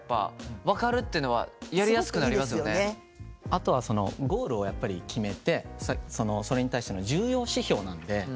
あとはそのゴールをやっぱり決めてそれに対しての重要指標なんで。